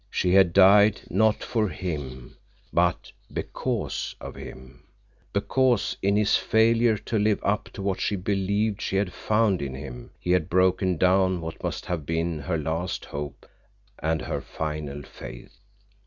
She had died, not for him, but because of him—because, in his failure to live up to what she believed she had found in him, he had broken down what must have been her last hope and her final faith.